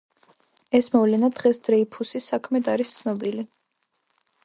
ეს მოვლენა დღეს დრეიფუსის საქმედ არის ცნობილი.